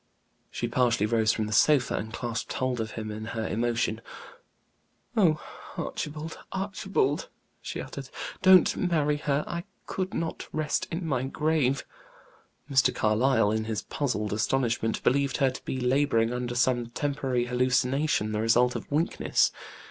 She partially rose from the sofa, and clasped hold of him in her emotion. "Oh, Archibald! Archibald!" she uttered, "don't marry her! I could not rest in my grave." Mr. Carlyle, in his puzzled astonishment, believed her to be laboring under some temporary hallucination, the result of weakness.